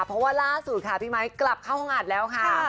เพราะว่าล่าสุดค่ะพี่ไมค์กลับเข้าห้องอัดแล้วค่ะ